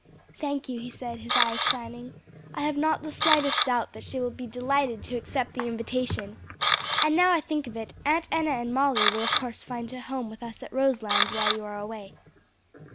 "Thank you," he said, his eyes shining; "I have not the slightest doubt that she will be delighted to accept the invitation. And, now I think of it, Aunt Enna and Molly will of course find a home with us at Roselands while you are away."